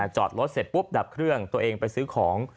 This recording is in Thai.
จอดรถเสร็จปุ๊บดับเครื่องตัวเองไปซื้อของ